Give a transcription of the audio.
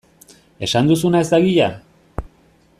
Esan duzuna ez da egia?